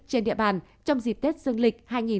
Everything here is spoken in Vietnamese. trên địa bàn trong dịp tết dương lịch